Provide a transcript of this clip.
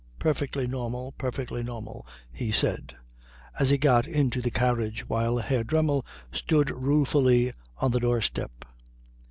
Perfectly normal, perfectly normal," he said, as he got into the carriage while Herr Dremmel stood ruefully on the doorstep.